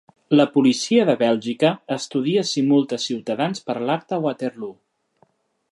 La policia de Bèlgica estudia si multa Ciutadans per l'acte a Waterloo.